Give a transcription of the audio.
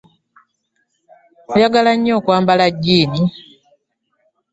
Ayagala nnyo okwambala jjiini.